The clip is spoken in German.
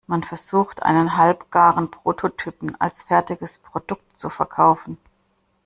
Man versucht, einen halbgaren Prototypen als fertiges Produkt zu verkaufen.